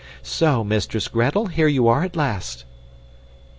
"So, Mistress Gretel! Here you are at last!"